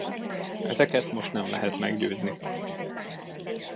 Ezeket most nem lehet meggyőzni.